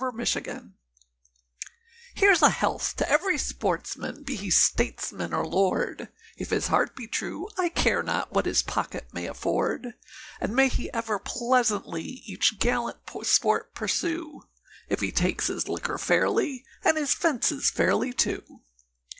A Hunting Song Here's a health to every sportsman, be he stableman or lord, If his heart be true, I care not what his pocket may afford; And may he ever pleasantly each gallant sport pursue, If he takes his liquor fairly, and his fences fairly, too.